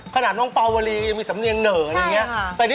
ขนาดน้องปาววาลียังมีสำเนียงเหนอะอะไรอย่างนี้ค่ะใช่ค่ะ